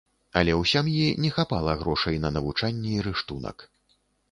Але ў сям'і не хапала грошай на навучанне і рыштунак.